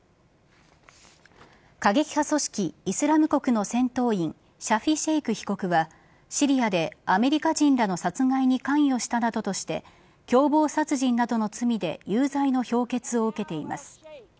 過激派組織・イスラム国の戦闘員シャフィ・シェイク被告はシリアでアメリカ人らの殺害に関与したなどとして共謀殺人などの罪で有罪の評決を受けています。